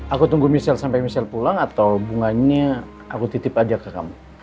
aku tunggu michelle sampai michelle pulang atau bunganya aku titip aja ke kamu